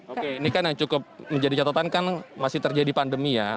oke ini kan yang cukup menjadi catatan kan masih terjadi pandemi ya